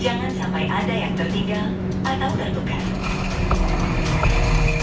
jangan sampai ada yang tertinggal atau bertukar